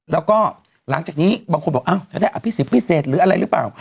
แล้วก็หลังจากนี้บางคนบอกจะได้อภิษฎพิเศษหรืออะไรหรือเปล่า